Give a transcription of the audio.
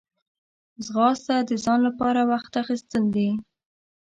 ځغاسته د ځان لپاره وخت اخیستل دي